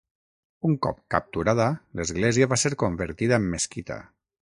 Un cop capturada, l'església va ser convertida en mesquita.